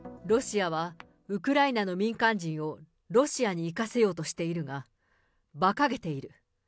ロシアはウクライナの民間人をロシアに行かせようとしているが、ばかげている。